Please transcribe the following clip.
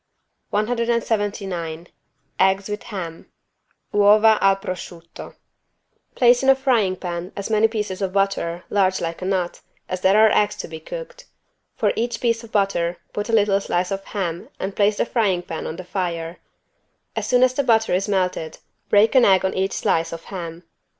179 EGGS WITH HAM (Uova al prosciutto) Place in a frying pan as many pieces of butter, large like a nut, as there are eggs to be cooked. For each piece of butter put a little slice of ham and place the frying pan on the fire. As soon as the butter is melted break an egg on each slice of ham.